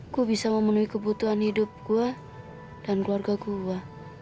gue bisa memenuhi kebutuhan hidup gue dan keluarga gue